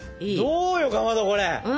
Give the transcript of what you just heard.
どうよかまどこれ。